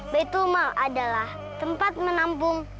baitulmal adalah tempat menampung